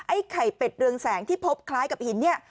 ไข่เป็ดเรืองแสงที่พบคล้ายกับหินเนี่ย